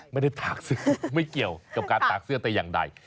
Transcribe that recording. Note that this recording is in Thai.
ตากเสื้อไม่เกี่ยวกับการตากเสื้อแต่อย่างใด